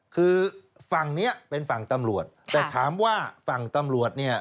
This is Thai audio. คือฝั่งเนี้ยเป็นฝั่งตำรวจแต่ถามว่าฝั่งตำรวจเนี่ย